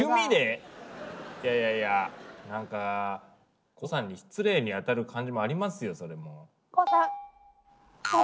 いやいやいやなんか胡さんに失礼に当たる感じもありますよ。